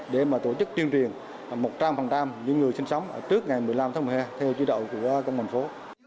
để tổ chức chuyên truyền một trăm linh những người sinh sống trước ngày một mươi năm tháng một mươi hai theo chế độ của công bằng phố